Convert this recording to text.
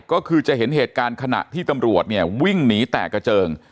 ก็คือจะเห็นเหตุการณ์ขณะที่ตำรวจเนี่ยวิ่งหนีแตกกระเจิง